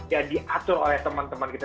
dan diatur oleh teman teman kita